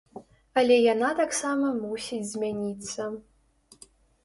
Але яна таксама мусіць змяніцца.